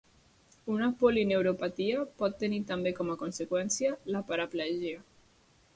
Una polineuropatia pot tenir també com a conseqüència la paraplegia.